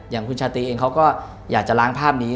อย่างคุณชาตรีเองเขาก็อยากจะล้างภาพนี้